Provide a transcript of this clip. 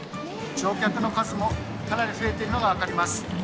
乗客の数もかなり増えているのが分かります。